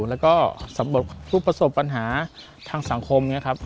แล้วก็สำรวจรูปประสบปัญหาทางสังคม